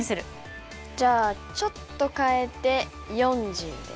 じゃあちょっと変えて４０で。